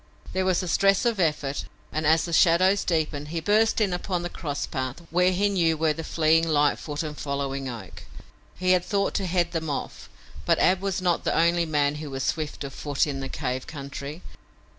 There was a stress of effort and, as the shadows deepened, he burst in upon the cross path where he knew were the fleeing Lightfoot and following Oak. He had thought to head them off, but Ab was not the only man who was swift of foot in the cave country.